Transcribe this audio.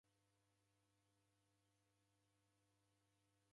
Ghadi na ghadi